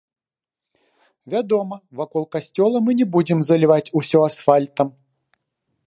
Вядома, вакол касцёла мы не будзем заліваць усё асфальтам.